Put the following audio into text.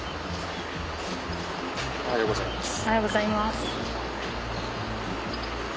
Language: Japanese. おはようございます。